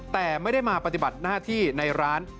แต่ไม่ได้มาปฏิบัติหน้าที่ในร้าน